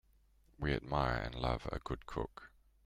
We admire and love a good cook.